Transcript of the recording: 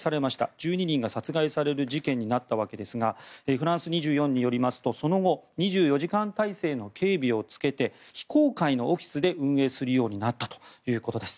１２人が殺害される事件になったわけですがフランス２４によりますとその後２４時間体制の警備をつけて非公開のオフィスで運営するようになったということです。